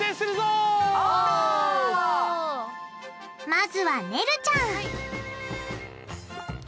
まずはねるちゃん！